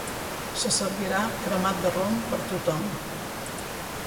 Se servirà cremat de rom per a tothom